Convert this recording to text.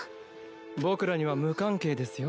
僕らには無関係ですよ。